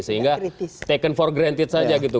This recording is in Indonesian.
sehingga taken for granted saja gitu